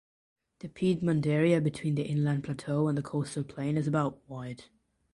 The piedmont area between the inland plateau and the coastal plain is about wide.